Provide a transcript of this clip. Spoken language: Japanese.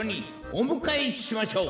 おむかえしましょう。